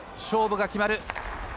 勝負が決まる。